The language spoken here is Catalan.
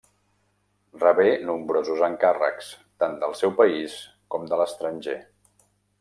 Rebé nombrosos encàrrecs, tant del seu país com de l'estranger.